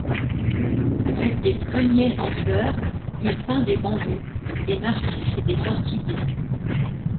Avec des pruniers en fleurs, il peint des bambous, des narcisses et des orchidées.